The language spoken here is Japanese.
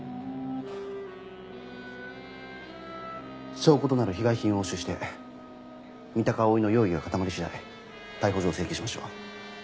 証拠となる被害品を押収して三鷹蒼の容疑が固まり次第逮捕状を請求しましょう。